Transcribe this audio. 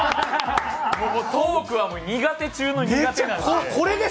トークはもう苦手中の苦手なんで。